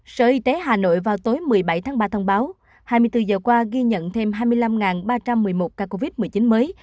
sở y tế hà nội vào tối một mươi bảy tháng ba thông báo hai mươi bốn giờ qua ghi nhận thêm hai mươi năm ba trăm một mươi một ca covid một mươi chín mới